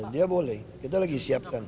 dia boleh kita lagi siapkan